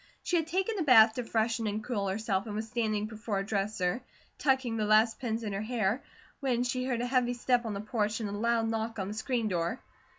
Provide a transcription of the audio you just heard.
She had taken a bath to freshen and cool herself and was standing before her dresser, tucking the last pins in her hair, when she heard a heavy step on the porch and a loud knock on the screen door.